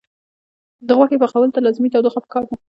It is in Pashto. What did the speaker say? د غوښې پخولو ته لازمي تودوخه پکار ده.